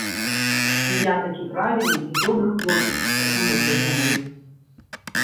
І я такі правільны і добры хлопец, як многія думаюць.